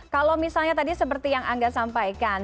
kalau misalnya tadi seperti yang angga sampaikan